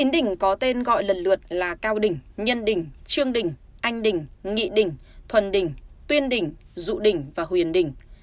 chín đỉnh có tên gọi lần lượt là cao đỉnh nhân đỉnh trương đỉnh anh đỉnh nghị đỉnh thuần đỉnh tuyên đỉnh dụ đỉnh và huyền đỉnh